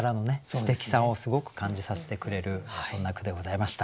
すてきさをすごく感じさせてくれるそんな句でございました。